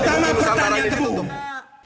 dan sejenisnya yang ada di lomongan ditutup